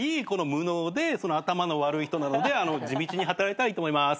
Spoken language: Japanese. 無能で頭の悪い人なので地道に働いたらいいと思います。